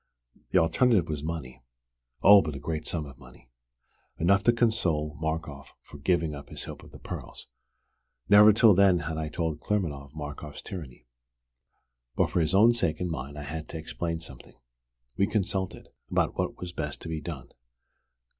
The alternative was money oh, but a great sum of money enough to console Markoff for giving up his hope of the pearls. Never till then had I told Claremanagh of Markoff's tyranny. But for his own sake and mine I had to explain something. We consulted about what was best to be done.